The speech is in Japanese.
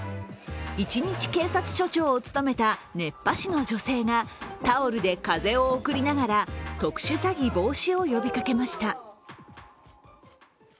一日警察署長を務めた熱波師の女性がタオルで風を送りながら、特殊詐欺防止を呼びかけました。